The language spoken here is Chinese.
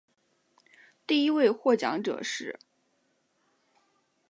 第一位获奖者是。